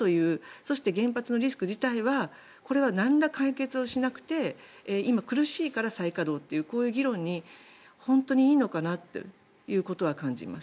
そして、原発のリスク自体はこれはなんら解決をしなくて今、苦しいから再稼働というこういう議論で本当にいいのかなということは感じます。